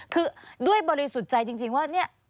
คือด้วยบริสุทธิ์ใจจริงว่าเนี่ย